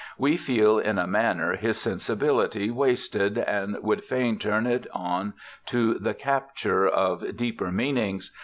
We feel in a manner his sensibility wasted and would fain turn it on to the capture of deeper meanings.